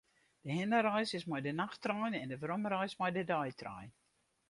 De hinnereis is mei de nachttrein en de weromreis mei de deitrein.